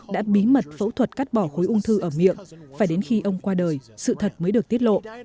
các bệnh nhân đã cắt bỏ khối ung thư ở miệng phải đến khi ông qua đời sự thật mới được tiết lộ